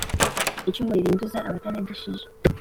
Icumu ririnduza abatanagishije,